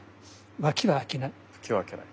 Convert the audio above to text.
脇は開けない。